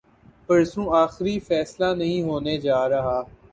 پرسوں آخری فیصلہ نہیں ہونے جارہا۔